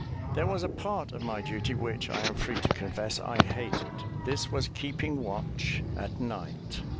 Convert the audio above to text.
There was a part of my duty which, I am free to confess, I hated: this was keeping watch at night.